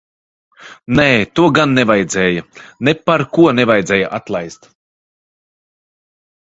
Nē, to gan nevajadzēja. Neparko nevajadzēja atlaist.